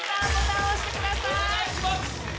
お願いします！